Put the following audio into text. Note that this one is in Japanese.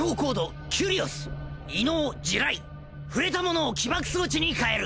触れたモノを起爆装置に変える！